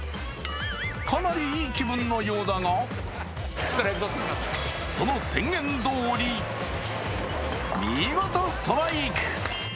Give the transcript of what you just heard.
かなりいい気分のようだがその宣言通り見事ストライク。